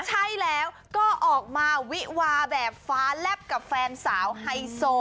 ใช่แล้วก็ออกมาวิวาแบบฟ้าแลบกับแฟนสาวไฮโซ